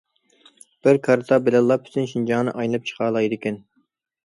بىر كارتا بىلەنلا پۈتۈن شىنجاڭنى ئايلىنىپ چىقالايدىكەن.